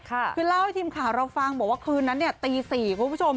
คือเล่าให้ทีมข่าวเราฟังบอกว่าคืนนั้นเนี่ยตี๔คุณผู้ชม